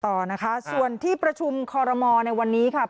ต่อนะคะส่วนที่ประชุมคอรมอลในวันนี้ค่ะ